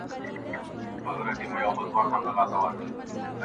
سپوږمۍ د خدای روی مي دروړی،